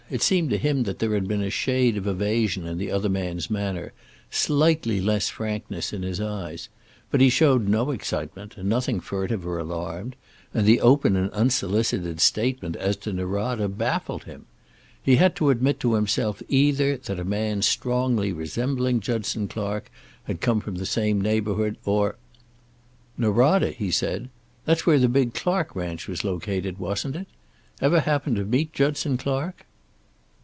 It seemed to him that there had been a shade of evasion in the other man's manner, slightly less frankness in his eyes. But he showed no excitement, nothing furtive or alarmed. And the open and unsolicited statement as to Norada baffled him. He had to admit to himself either that a man strongly resembling Judson Clark had come from the same neighborhood, or "Norada?" he said. "That's where the big Clark ranch was located, wasn't it? Ever happen to meet Judson Clark?"